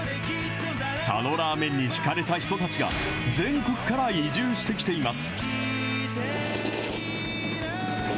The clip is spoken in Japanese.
佐野らーめんに引かれた人たちが、全国から移住してきています。